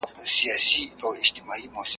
حوصله و تفکر غواړي خطاب